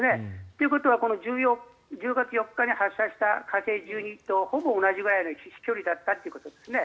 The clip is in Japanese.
ということは１０月４日に発射した火星１２とほぼ同じぐらいの飛距離だったということですね。